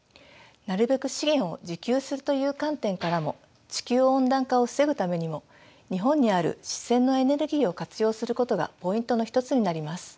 なるべく資源を自給するという観点からも地球温暖化を防ぐためにも日本にある自然のエネルギーを活用することがポイントの一つになります。